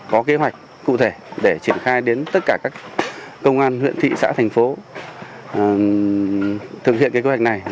có kế hoạch cụ thể để triển khai đến tất cả các công an huyện thị xã thành phố thực hiện kế hoạch này